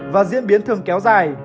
và diễn biến thường kéo dài